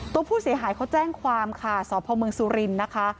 ตัวผู้เสียหายเขาแจ้งความค่ะสพมสุรินทร์นะคะ